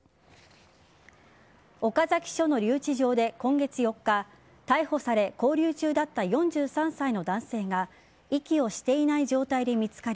岡崎署の留置場で今月４日逮捕され、勾留中だった４３歳の男性が息をしていない状態で見つかり